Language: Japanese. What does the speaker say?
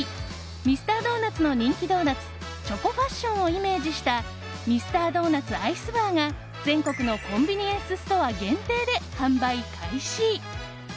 ミスタードーナツの人気ドーナツチョコファッションをイメージしたミスタードーナツアイスバーが全国のコンビニエンスストア限定で販売開始！